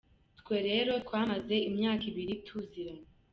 Twe rero twamaze imyaka ibiri tuziranye.